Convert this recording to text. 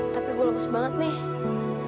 tapi gue lupus banget nih